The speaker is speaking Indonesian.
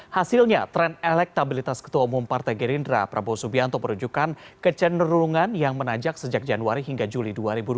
hasilnya tren elektabilitas ketua umum partai gerindra prabowo subianto merujukan kecenderungan yang menanjak sejak januari hingga juli dua ribu dua puluh